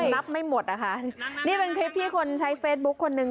นับไม่หมดนะคะนี่เป็นคลิปที่คนใช้เฟซบุ๊คคนนึง